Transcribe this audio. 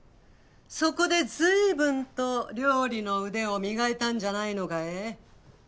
そこでずいぶんと料理の腕を磨いたんじゃないのかえ？